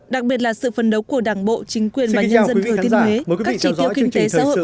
đặc biệt là sự phấn đấu của đảng bộ chính quyền và nhân dân thừa thiên huế